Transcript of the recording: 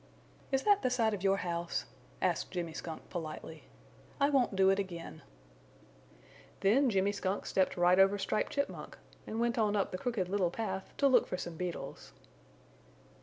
"Is that the side of your house?" asked Jimmy Skunk, politely. "I won't do it again." Then Jimmy Skunk stepped right over Striped Chipmunk, and went on up the Crooked Little Path to look for some beetles.